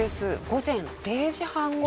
午前０時半頃。